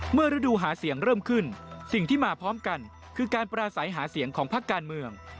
ฤดูหาเสียงเริ่มขึ้นสิ่งที่มาพร้อมกันคือการปราศัยหาเสียงของพักการเมือง